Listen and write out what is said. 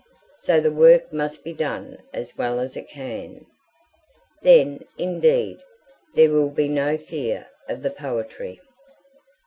So the work must be done as well as it can. Then, indeed, there will be no fear of the poetry.